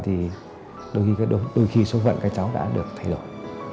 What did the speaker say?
thì đôi khi số phận cái cháu đã được thay đổi